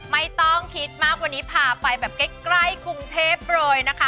ไม่ต้องคิดมากวันนี้พาไปแบบใกล้กรุงเทพเลยนะคะ